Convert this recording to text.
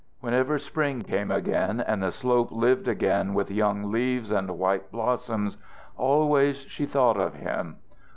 Whenever spring came back and the slope lived again with young leaves and white blossoms, always she thought of him.